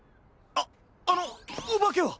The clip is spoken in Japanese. あっあのおばけは？